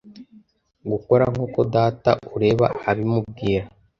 gukora nkuko data ureba abimubwira